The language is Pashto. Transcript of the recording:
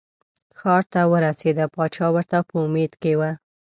ښار ته ورسېده پاچا ورته په امید کې و.